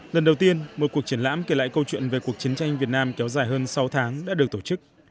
lần đầu tiên một cuộc triển lãm kể lại câu chuyện về cuộc chiến tranh việt nam kéo dài hơn sáu tháng đã được tổ chức